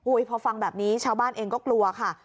พอฟังแบบนี้ชาวบ้านเองก็กลัวค่ะ